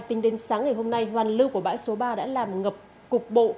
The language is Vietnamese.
tính đến sáng ngày hôm nay hoàn lưu của bãi số ba đã làm ngập cục bộ